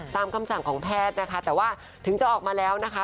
คำสั่งของแพทย์นะคะแต่ว่าถึงจะออกมาแล้วนะคะ